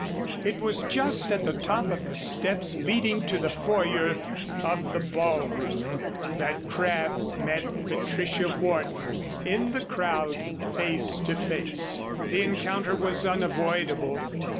It was just at the top of the steps leading to the foyer of the ball room that Crabb met Patricia Wharton in the crowd, face to face. The encounter was unavoidable.